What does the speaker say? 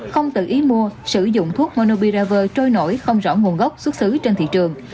không tự ý mua sử dụng thuốc monobiraver trôi nổi không rõ nguồn gốc xuất xứ trên thị trường